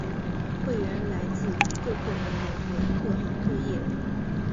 会员来自各个年龄和各行各业。